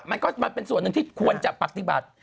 มันก็มาเป็นส่วนหนึ่งที่ควรจะปฏิบัติ